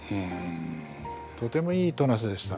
とてもいい戸無瀬でした。